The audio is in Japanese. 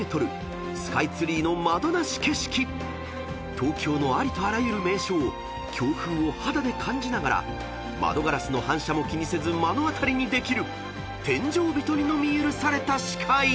［東京のありとあらゆる名所を強風を肌で感じながら窓ガラスの反射も気にせず目の当たりにできる殿上人にのみ許された視界］